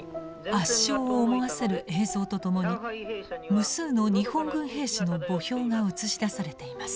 圧勝を思わせる映像と共に無数の日本軍兵士の墓標が映し出されています。